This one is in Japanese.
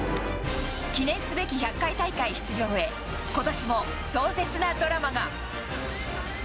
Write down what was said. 記念すべき１００回大会出場へ、ことしも壮絶なドラマが。